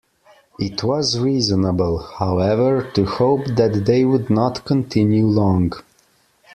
It was reasonable, however, to hope that they would not continue long.